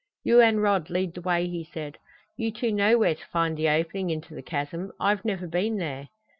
"You and Rod lead the way," he said. "You two know where to find the opening into the chasm. I've never been there."